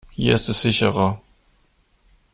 Hier ist es sicherer.